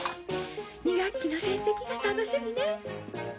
２学期の成績が楽しみね！